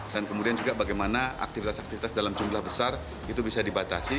kemudian juga bagaimana aktivitas aktivitas dalam jumlah besar itu bisa dibatasi